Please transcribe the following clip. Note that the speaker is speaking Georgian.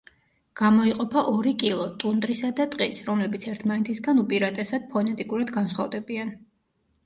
გამოიყოფა ორი კილო ტუნდრისა და ტყის, რომლებიც ერთმანეთისაგან უპირატესად ფონეტიკურად განსხვავდებიან.